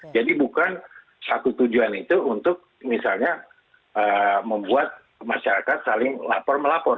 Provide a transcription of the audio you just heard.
jadi bukan satu tujuan itu untuk misalnya membuat masyarakat saling lapor melapor